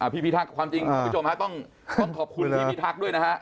พิทักษ์ความจริงคุณผู้ชมฮะต้องขอบคุณพี่พิทักษ์ด้วยนะฮะ